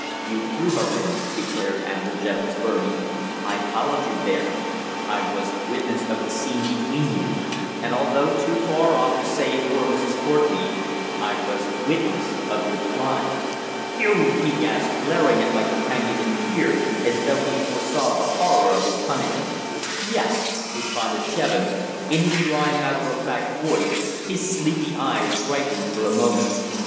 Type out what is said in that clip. You threw her in," declared Ambler Jevons, firmly. "I followed you there. I was witness of the scene between you; and, although too far off to save poor Mrs. Courtenay, I was witness of your crime!" "You!" he gasped, glaring at my companion in fear, as though he foresaw the horror of his punishment. "Yes!" responded Jevons, in his dry, matter of fact voice, his sleepy eyes brightening for a moment.